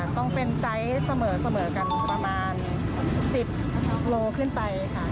ต้องเป็นไซส์เสมอกันประมาณ๑๐โลขึ้นไปค่ะ